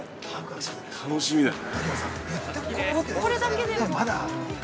楽しみだよ。